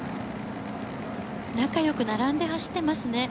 仲良く並んで走ってますね。